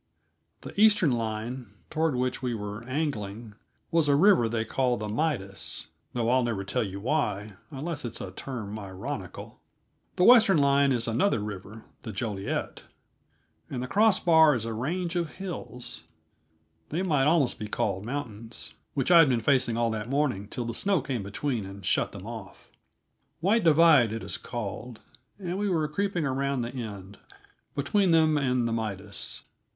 The eastern line, toward which we were angling, was a river they call the Midas though I'll never tell you why, unless it's a term ironical. The western line is another river, the Joliette, and the cross bar is a range of hills they might almost be called mountains which I had been facing all that morning till the snow came between and shut them off; White Divide, it is called, and we were creeping around the end, between them and the Midas.